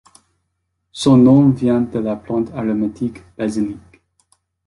Son nom vient de la plante aromatique Basilic.